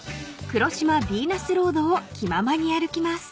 黒島ヴィーナスロードを気ままに歩きます］